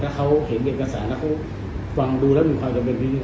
ถ้าเขาเห็นเอกสารแล้วเขาฟังดูแล้วมีความจำเป็นนิด